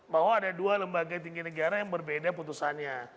bahwa ada dua lembaga tinggi negara yang berbeda putusannya